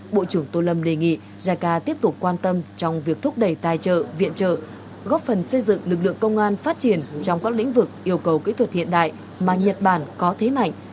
bộ trưởng tô lâm đề nghị jica tiếp tục quan tâm trong việc thúc đẩy tài trợ viện trợ góp phần xây dựng lực lượng công an phát triển trong các lĩnh vực yêu cầu kỹ thuật hiện đại mà nhật bản có thế mạnh